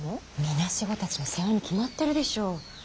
孤児たちの世話に決まってるでしょう。